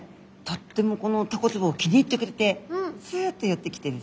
とってもこのタコつぼを気に入ってくれてスッと寄ってきてですね